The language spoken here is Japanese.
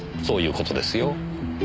そういう事ですよ。